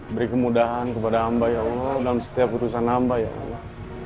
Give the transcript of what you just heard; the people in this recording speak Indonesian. beri kemudahan kepada amba ya allah dalam setiap keputusan amba ya allah